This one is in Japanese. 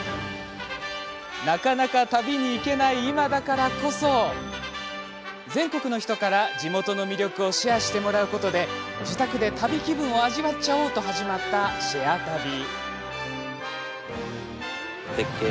なかなか旅に行けない今だからこそ、全国の人から地元の魅力をシェアしてもらうことで自宅で旅気分を味わっちゃおうと始まった「シェア旅」。